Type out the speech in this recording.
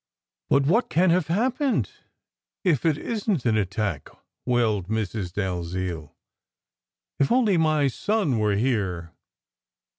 "But what can have happened if it isn t an attack?" wailed Mrs. Dalziel. "If only my son were here!"